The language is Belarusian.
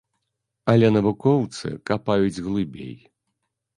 Але навукоўцы капаюць глыбей.